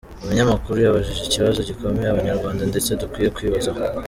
Umunyamakuru yabajije ikibazo gikomeye abanyarwanda twese dukwiye kwibazaho: